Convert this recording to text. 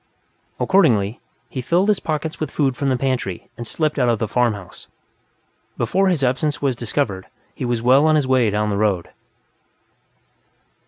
Accordingly, he filled his pockets with food from the pantry and slipped out of the farmhouse; before his absence was discovered he was well on his way down the road.